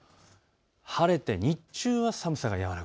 晴れて日中は寒さが和らぐ。